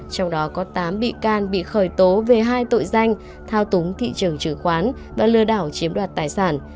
trong đó có tám bị can bị khởi tố về hai tội danh thao túng thị trường chứng khoán và lừa đảo chiếm đoạt tài sản